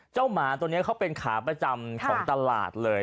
หมาตัวนี้เขาเป็นขาประจำของตลาดเลย